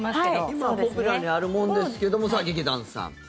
今はポピュラーにあるものですけどもさあ、劇団さん。